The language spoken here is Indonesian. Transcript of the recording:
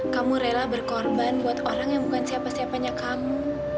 kamu rela berkorban buat orang yang bukan siapa siapanya kamu